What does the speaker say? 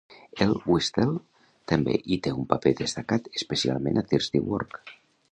El "whistle" també hi té un paper destacat, especialment a Thirsty Work.